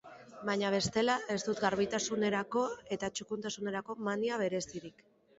Baina, bestela, ez dut garbitasunerako eta txukuntasunerako mania berezirik.